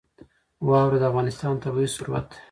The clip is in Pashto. واوره د افغانستان طبعي ثروت دی.